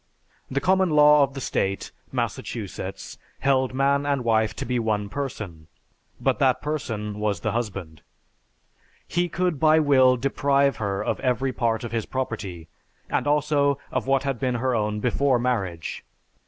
The common law of the State [Massachusetts] held man and wife to be one person, but that person was the husband. He could by will deprive her of every part of his property, and also of what had been her own before marriage.